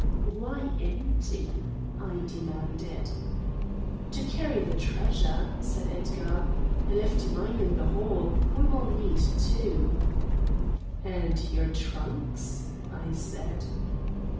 "Why EMPTY?" I demanded. "To carry the treasure," said Edgar. "I left mine in the hall. We will need two." "And your trunks?" I said.